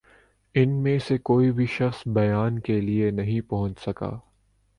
ان میں سے کوئی بھِی شخص بیان کے لیے نہیں پہنچ سکا